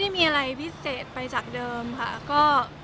ไม่มีอะไรพิเศษไปจากเดิมค่ะ